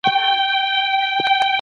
نوملیکنه بیا هم یادوم.